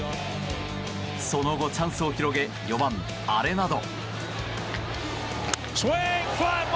その後チャンスを広げ４番アレナド。